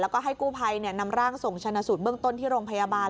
แล้วก็ให้กู้ภัยนำร่างส่งชนะสูตรเบื้องต้นที่โรงพยาบาล